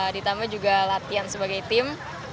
ditambah juga latihan sebagai tim